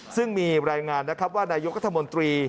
ซึ่งมีรายงานนะครับว่านายกรัฐมนตรี